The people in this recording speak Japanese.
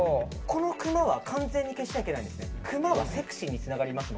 このくまは完全に消しちゃいけないんです。